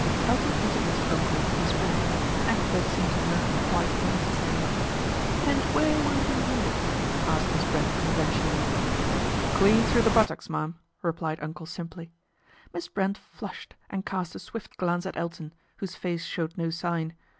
Elton introduced Uncle to Miss Brent, an act that seemed to her quite unnecessary. 138 PATRICIA BRENT, SPINSTER " And where were you wounded ?" asked Miss Brent conventionally. " Clean through the buttocks, mum," replied Uncle simply. Miss Brent flushed and cast a swift glance at Elton, whose face showed no sign.